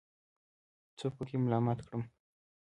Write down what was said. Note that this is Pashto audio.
څوک پکې ملامت کړم.